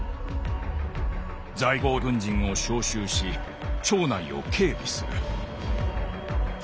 在郷軍人を招集し町内を警備する」。